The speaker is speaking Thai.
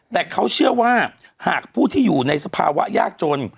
แต่เขาเชื่อว่าหากผู้ที่อยู่ในสภาวะยากจน